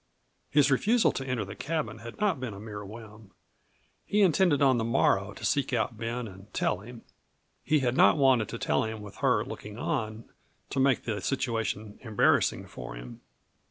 His refusal to enter the cabin had not been a mere whim; he intended on the morrow to seek out Ben and tell him. He had not wanted to tell him with her looking on to make the situation embarrassing for him.